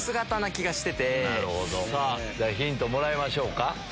ヒントもらいましょうか。